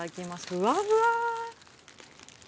ふわふわ。